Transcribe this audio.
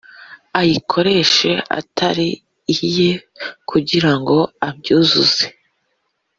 ayikoreshe atari iye kugira ngo abyuzuze.